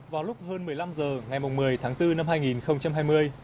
vào lúc hơn một mươi năm h ngày một mươi tháng bốn năm hai nghìn hai mươi